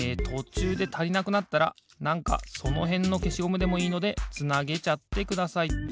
とちゅうでたりなくなったらなんかそのへんのけしゴムでもいいのでつなげちゃってください。